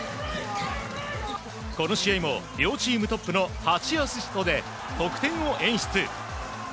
この試合も両チープトップの８アシストで得点を演出。